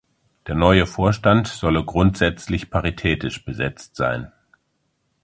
Der neue Vorstand solle grundsätzlich paritätisch besetzt sein.